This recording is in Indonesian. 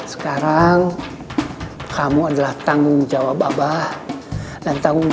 sekarang kamu akan menjadi orang yang sukses